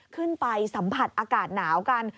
ขึ้นไปสัมผัสอากาศหนาวกัน